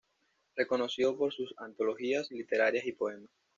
Reconocido por sus antologías literarias y poemas.